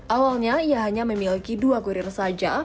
awalnya ia hanya memiliki dua kurir saja